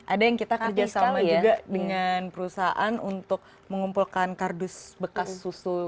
ada yang kita kerja sama juga dengan perusahaan untuk mengumpulkan kardus bekas susunya mereka untuk jadi bahan